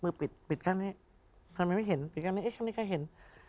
ปิดปิดข้างนี้ทำไมไม่เห็นปิดข้างนี้เอ๊ะข้างนี้ก็เห็น